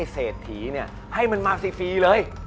เศรษฐีให้มันมาฟรีเลย